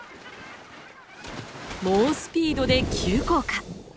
猛スピードで急降下。